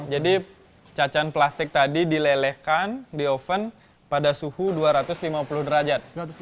jadi cacahan plastik tadi dilelehkan di oven pada suhu dua ratus lima puluh derajat